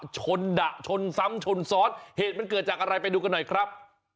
ชนดะชนซ้ำชนซ้อนเหตุมันเกิดจากอะไรไปดูกันหน่อยครับ